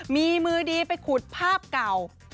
มีมือดีไปขุดภาพเก่า